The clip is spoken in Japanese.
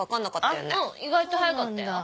うん意外と早かったよ。